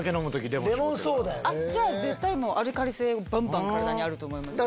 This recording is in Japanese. じゃあ絶対アルカリ性バンバン体にあると思いますよ。